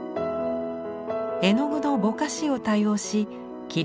絵の具のぼかしを多用し霧